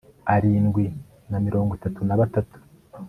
arindwi na mirongo itatu na batatu